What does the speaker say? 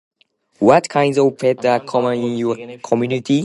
What kinds of pet are common in your community?